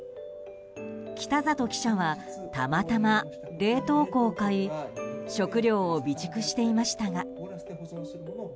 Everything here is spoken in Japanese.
北里記者はたまたま冷凍庫を買い食糧を備蓄していましたが。